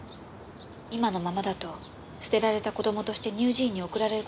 今のままだと捨てられた子供として乳児院に送られる事になります。